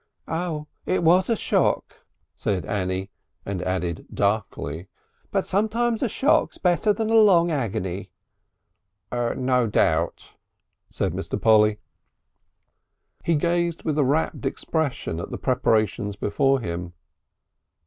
"It was a shock," said Annie, and added darkly: "But sometimes a shock's better than a long agony." "No doubt," said Mr. Polly. He gazed with a rapt expression at the preparations before him.